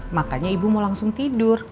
makanya ibu mau langsung tidur